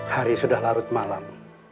hari sudah larut malam